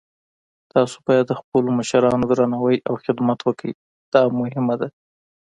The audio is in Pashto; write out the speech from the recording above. تاسو باید د خپلو مشرانو درناوی او خدمت وکړئ، دا مهم ده